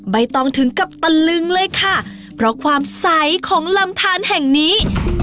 ใบตองถึงกับตะลึงเลยค่ะเพราะความใสของลำทานแห่งนี้